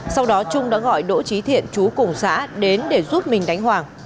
sau đó trung đã gọi đỗ trí thiện chú cùng xã đến để giúp mình đánh hoàng